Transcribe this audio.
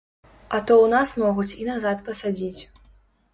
А то ў нас могуць і назад пасадзіць.